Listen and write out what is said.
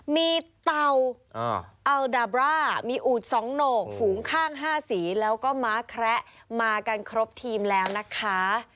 มีเตาอัลดาบร่ามีอูด๒โหนกฝูงข้าง๕สีแล้วก็ม้าแคระมากันครบทีมแล้วนะคะ